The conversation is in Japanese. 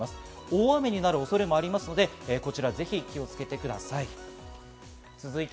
大雨になる恐れもありますので、こちらぜひ気をつけてください。